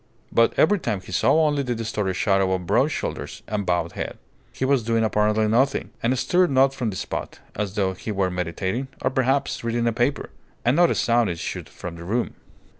But every time he saw only the distorted shadow of broad shoulders and bowed head. He was doing apparently nothing, and stirred not from the spot, as though he were meditating or, perhaps, reading a paper. And not a sound issued from the room.